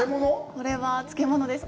これは漬物です。